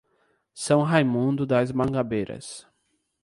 São Raimundo das Mangabeiras